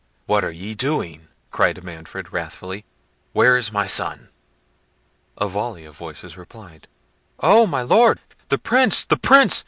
"What are ye doing?" cried Manfred, wrathfully; "where is my son?" A volley of voices replied, "Oh! my Lord! the Prince! the Prince!